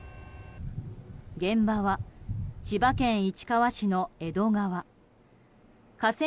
現場は千葉県市川市の江戸川。